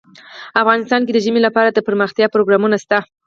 افغانستان کې د ژمی لپاره دپرمختیا پروګرامونه شته.